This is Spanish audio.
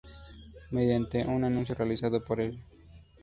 Mediante un anuncio realizado por E!